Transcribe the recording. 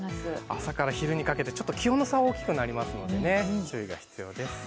明日から昼にかけて気温の差は大きくなりますので注意は必要ですね。